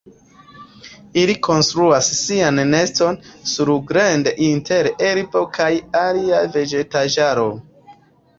Ili konstruas sian neston surgrunde inter herbo kaj alia vegetaĵaro.